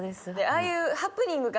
ああいう。